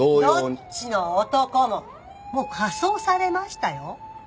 どっちの男ももう火葬されましたよ。